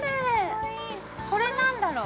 ◆これ、何だろう。